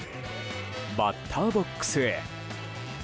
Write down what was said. バッターボックスへ。